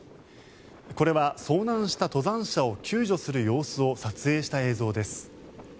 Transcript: これは、遭難した登山者を救助する様子を撮影した映像です。